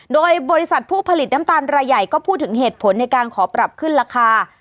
โดยบริษัทผู้ผลิตน้ำตาลรายใหญ่ก็พูดถึงเหตุผลในการขอปรับขึ้นราคา